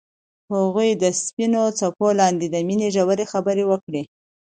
هغوی د سپین څپو لاندې د مینې ژورې خبرې وکړې.